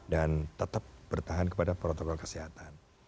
dan tetap bertahan kepada protokol kesehatan